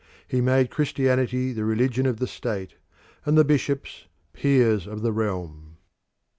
He made Christianity the religion of the state and the bishops peers of the realm.